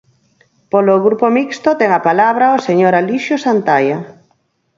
Polo Grupo Mixto, ten a palabra o señor Alixo Santaia.